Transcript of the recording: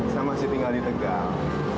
saya masih tinggal di tegal